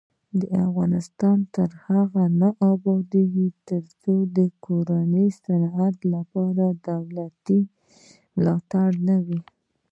افغانستان تر هغو نه ابادیږي، ترڅو د کورني صنعت لپاره دولتي ملاتړ نه وي.